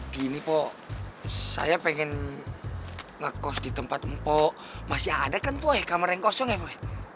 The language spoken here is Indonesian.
gini pak saya pengen ngekos di tempat mpok masih ada kan tuh eh kamar yang kosong ya pak